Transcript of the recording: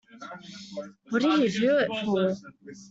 What did he do it for?